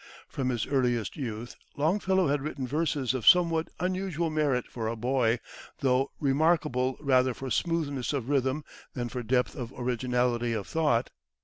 From his earliest youth, Longfellow had written verses of somewhat unusual merit for a boy, though remarkable rather for smoothness of rhythm than for depth or originality of thought.